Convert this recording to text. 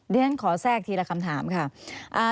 ดังนั้นขอแทรกทีละคำถามค่ะ